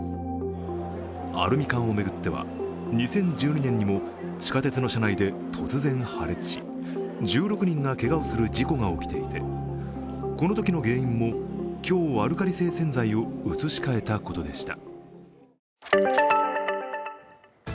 アルミ缶を巡っては２０１２年にも地下鉄の車内で突然破裂し、１６人がけがをする事故が起きていて、このときの原因も強アルカリ性洗剤を移し替えたことでした。